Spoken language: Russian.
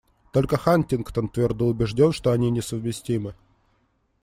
Только Хантингтон твердо убежден, что они несовместимы.